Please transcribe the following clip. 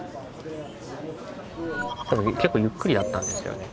多分結構ゆっくりだったんですよね。